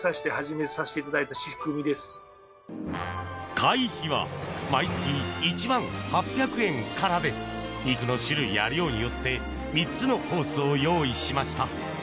会費は毎月１万８００円からで肉の種類や量によって３つのコースを用意しました。